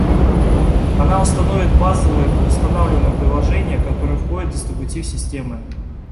Она установит базовые предустанавливаемые приложения, которые входят в дистрибутив системы